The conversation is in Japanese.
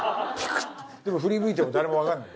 でも振り向いても誰もわからない。